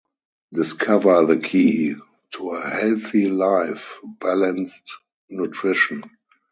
Discover the key to a healthy life: balanced nutrition.